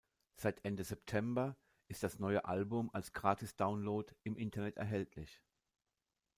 Seit Ende September ist das neue Album als Gratis-Download im Internet erhältlich.